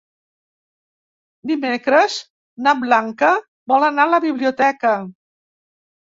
Dimecres na Blanca vol anar a la biblioteca.